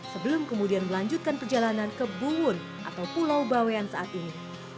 sebelum kemudian melanjutkan perjalanan ke buwun atau pulau bawean saat ini